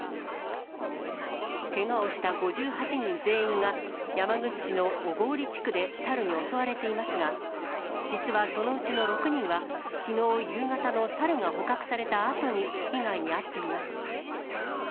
けがをした５８人全員が、山口市の小郡地区でサルに襲われていますが、実はそのうちの６人は、きのう夕方のサルが捕獲されたあとに被害に遭っています。